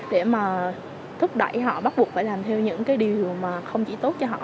để thúc đẩy họ bắt buộc phải làm theo những điều không chỉ tốt cho họ